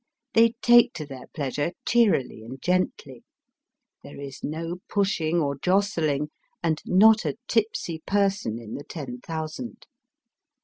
They take to their pleasure cheerily and gently. There is no pushing or jostling, and not a tipsy person in the ten thousand.